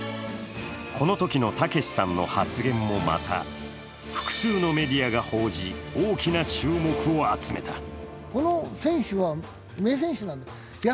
このときのたけしさんの発言もまた、複数のメディアが報じ、大きな注目を集めた。